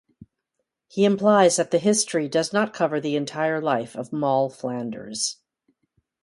He implies that the history does not cover the entire life of Moll Flanders.